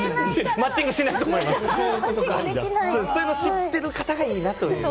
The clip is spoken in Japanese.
そういうのを知ってる人がいいなという。